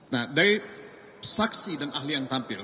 nah dari saksi dan ahli yang tampil